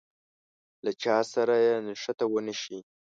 له چا سره يې نښته ونه شي.